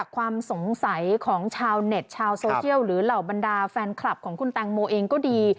ความสงสัยของชาวเน็ตชาวโซเชียลหรือเหล่าบรรดาแฟนคลับของคุณแตงโมเองก็ดี